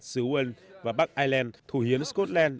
sưu ân và bắc ireland thủ hiến scotland